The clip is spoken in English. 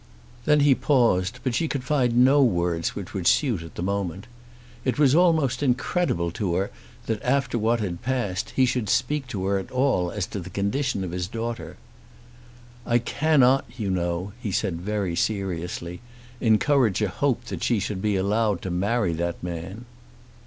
Then he paused, but she could find no words which would suit at the moment. It was almost incredible to her that after what had passed he should speak to her at all as to the condition of his daughter. "I cannot, you know," he said very seriously, "encourage a hope that she should be allowed to marry that man."